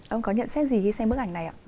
ông có nhận xét gì khi xem bức ảnh này ạ